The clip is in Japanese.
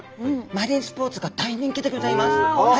マリンスポーツが大人気でギョざいます。